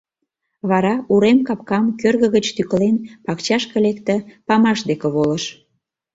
Вара, урем капкам кӧргӧ гыч тӱкылен, пакчашке лекте, памаш деке волыш.